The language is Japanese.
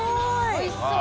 おいしそう。